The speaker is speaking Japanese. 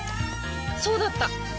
そうだった！